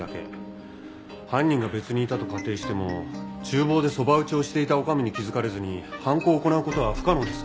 犯人が別にいたと仮定しても厨房でそば打ちをしていた女将に気づかれずに犯行を行う事は不可能です。